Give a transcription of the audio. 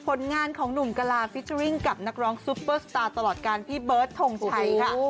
ผลงานของหนุ่มกะลาฟิเจอร์ริ่งกับนักร้องซุปเปอร์สตาร์ตลอดการพี่เบิร์ดทงชัยค่ะ